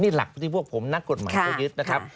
นี่หลักที่พวกผมนักกฎหมายเขายึดนะครับ